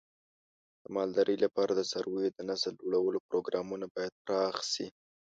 د مالدارۍ لپاره د څارویو د نسل لوړولو پروګرامونه باید پراخ شي.